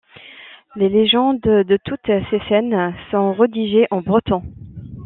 Les légendes de toutes ces scènes sont rédigées en breton.